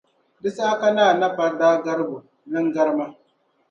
Di saha ka Naa Napari daa garigi o, Iin garima